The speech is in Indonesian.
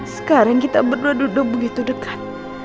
sekarang kita berdua duduk begitu dekat